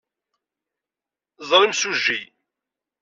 Ẓer imsujji.